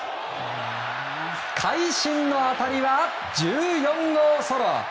会心の当たりは１４号ソロ。